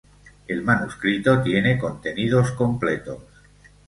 El manuscrito tiene contenidos completos.